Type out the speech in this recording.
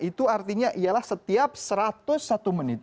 itu artinya ialah setiap satu ratus satu menit